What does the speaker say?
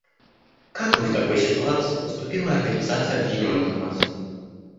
Как бы в такой ситуации поступила Организация Объединенных Наций?